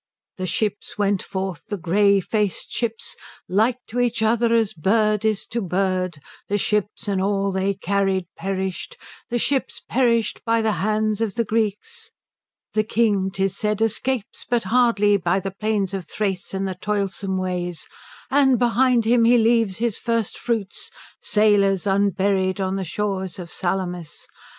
"'The ships went forth, the grey faced ships, like to each other as bird is to bird, the ships and all they carried perished, the ships perished by the hand of the Greeks. The king, 'tis said, escapes, but hardly, by the plains of Thrace and the toilsome ways, and behind him he leaves his first fruits sailors unburied on the shores of Salamis.